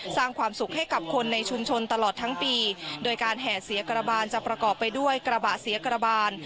สร้างความสุขให้กับคนในชุมชนตลอดทั้งปีโดยการแห่เสียกระบานจะประกอบไปด้วยกระบะเสียกระบาน